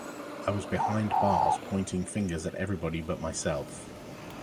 I was behind bars, pointing fingers at everybody but myself.